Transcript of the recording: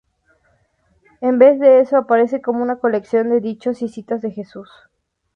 En vez de eso, aparece como una colección de dichos y citas de Jesús.